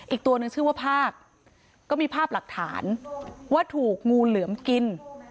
อีกตัวนึงชื่อว่าภาพก็มีภาพหลักฐานว่าถูกงูเหลือมกิน